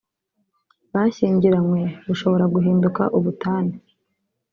bashyingiranywe bushobora guhinduka ubutane